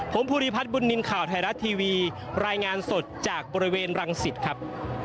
ผมภูริพัฒนบุญนินทร์ข่าวไทยรัฐทีวีรายงานสดจากบริเวณรังสิตครับ